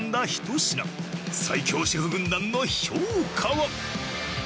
最強シェフ軍団の評価は？